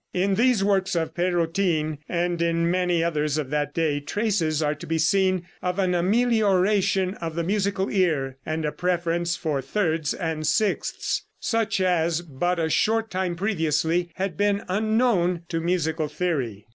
In these works of Pérotin, and in many others of that day, traces are to be seen of an amelioration of the musical ear, and a preference for thirds and sixths, such as but a short time previously had been unknown to musical theory.